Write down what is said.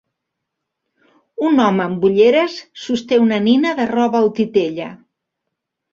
Un home amb ulleres sosté una nina de roba o titella.